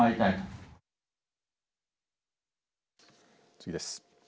次です。